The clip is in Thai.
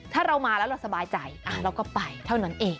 ถ้าเรามาแล้วเราสบายใจเราก็ไปเท่านั้นเอง